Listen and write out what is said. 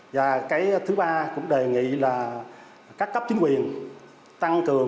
và cái thứ ba cũng đề nghị là các cấp chính quyền tăng cường